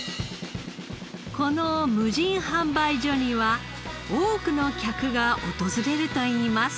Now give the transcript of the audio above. この無人販売所には多くの客が訪れるといいます。